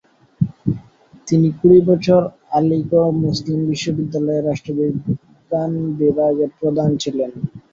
তিনি কুড়ি বছর আলীগড় মুসলিম বিশ্ববিদ্যালয়ের রাষ্ট্রবিজ্ঞান বিভাগের প্রধান ছিলেন।